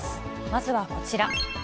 まずはこちら。